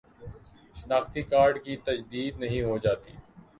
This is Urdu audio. شناختی کارڈ کی تجدید نہیں ہوجاتی